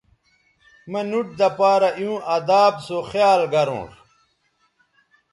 مہ نُوٹ دہ پارہ ایوں اداب سو خیال گرونݜ